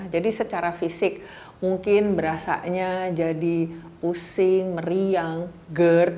jadi secara fisik mungkin berasanya jadi pusing meriang gerd